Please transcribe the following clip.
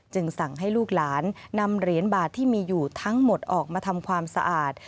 สั่งให้ลูกหลานนำเหรียญบาทที่มีอยู่ทั้งหมดออกมาทำความสะอาด